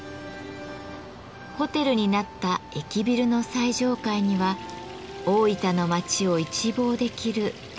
ホテルになった駅ビルの最上階には大分の街を一望できる露天風呂。